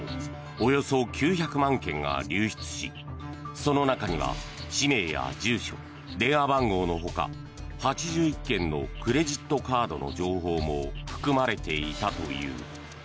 およそ９００万件が流出しその中には氏名や住所電話番号のほか８１件のクレジットカードの情報も含まれていたという。